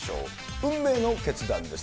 運命の決断です。